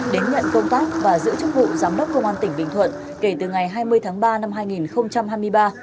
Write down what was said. đến nhận công tác và giữ chức vụ giám đốc công an tỉnh bình thuận kể từ ngày hai mươi tháng ba năm hai nghìn hai mươi ba